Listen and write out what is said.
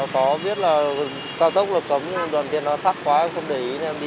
có biết là cao tốc là cấm đoàn tiền nó thắt quá không để ý nên đi